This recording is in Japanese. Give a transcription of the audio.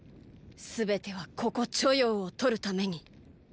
全てはここ著雍を取るために。